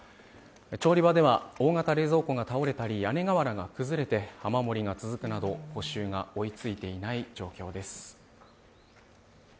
調理場では大型冷蔵庫が倒れたり屋根瓦が崩れたりして雨漏りが続くなど、補修が追いついていない状況です。